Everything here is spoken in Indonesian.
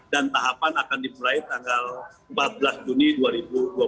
dan tahapan akan dimulai tanggal empat belas juni dua ribu dua puluh dua ini